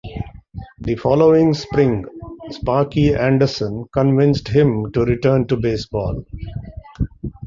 The following spring, Sparky Anderson convinced him to return to baseball.